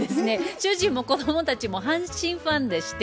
主人も子供たちも阪神ファンでして。